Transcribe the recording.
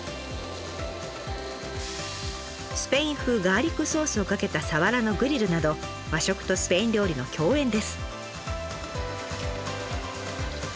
スペイン風ガーリックソースをかけたサワラのグリルなど和食とスペイン料理の共演です。